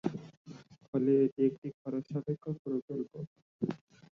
ফলে এটি একটি খরচ সাপেক্ষ প্রকল্প।